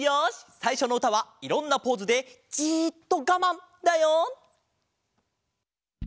さいしょのうたはいろんなポーズでじっとガマンだよ！